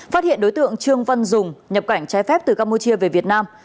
phát hiện đối tượng trương văn dùng nhập cảnh trái phép từ campuchia về việt nam